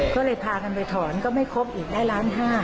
ก็เลยพากันไปถอนก็ไม่ครบอีกได้ล้านห้า